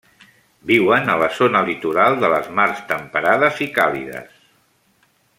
Viuen a la zona litoral de les mars temperades i càlides.